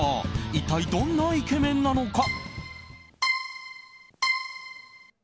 一体どんなイケメンなのか。